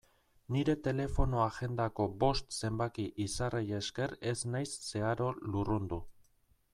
Nire telefono-agendako bost zenbaki izarrei esker ez naiz zeharo lurrundu.